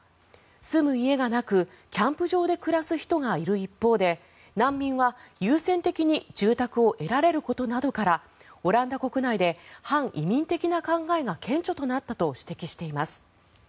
住む家がなくキャンプ場で暮らす人がいる一方で難民は優先的に住宅を得られることなどからオランダ国内で反移民的な考えが顕著となったと指摘しています。